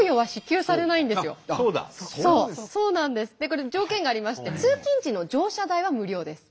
これ条件がありまして通勤時の乗車代は無料です。